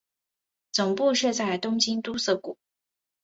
总部设在东京都涩谷。